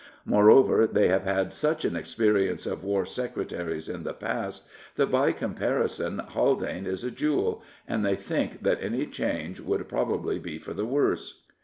" Moreover, they have had such an experience of War Secretaries in the past, that, by comparison, Haldane is a jewel, and they think that any change would probably be for the worse."